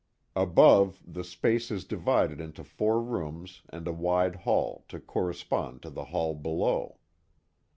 Above, the space is divided into four rooms and a wide hall to correspond to the hall below.